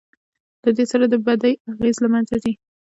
له دې سره د بدۍ اغېز له منځه ځي.